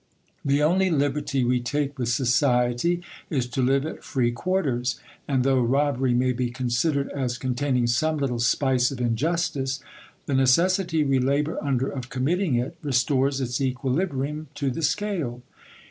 The only liberty we take with society is to live at free quarters : and though robbery may be considered as containing some little spice of injustice, the necessity we labour under of committing it restores its equilibrium to the scale.